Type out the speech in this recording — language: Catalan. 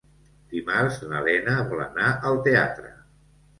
Dimarts na Lena vol anar al teatre.